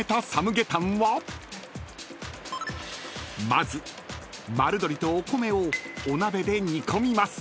［まず丸鶏とお米をお鍋で煮込みます］